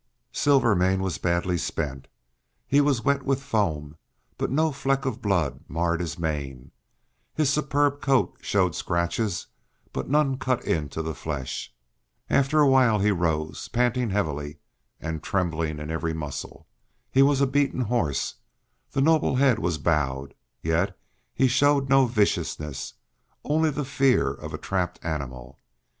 Silvermane was badly spent; he was wet with foam, but no fleck of blood marred his mane; his superb coat showed scratches, but none cut into the flesh. After a while he rose, panting heavily, and trembling in every muscle. He was a beaten horse; the noble head was bowed; yet he showed no viciousness, only the fear of a trapped animal.